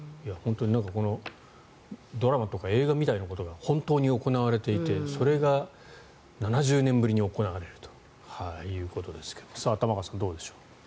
ドラマとか映画みたいなことが本当に行われていてそれが７０年ぶりに行われるということですけども玉川さん、どうでしょう。